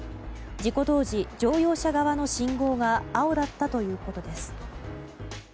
事故当時、乗用車側の信号が青だったということです。